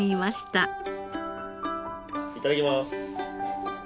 いただきます。